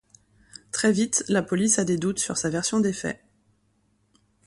Très vite, la police a des doutes sur sa version des faits...